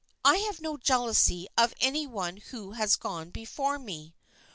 I have no jealousy of any one who has gone before me.